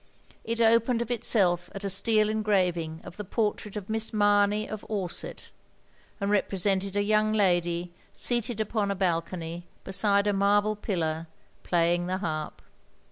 It opened of itself at a steel engraving of the portrait of Miss Mamey of Orsett, and represented a yotmg lady seated upon a balcony beside a marble pillar, playing the harp.